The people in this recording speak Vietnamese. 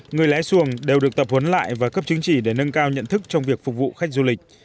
người lẽ xuồng đều được tập huấn lại và cấp chứng chỉ để nâng cao nhận thức trong việc phục vụ khách du lịch